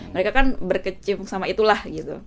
mereka kan berkecim sama itulah